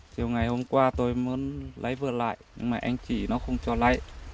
chiều ngày hôm qua tôi muốn lấy vợ lại nhưng mà anh chị nó không cho lấy